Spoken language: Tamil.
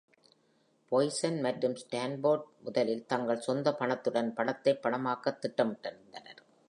பாய்சன் மற்றும் ஸ்டான்போர்ட் முதலில் தங்கள் சொந்த பணத்துடன் படத்தை படமாக்க திட்டமிட்டிருந்தனர்.